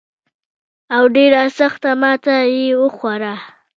او ډېره سخته ماته یې وخوړه.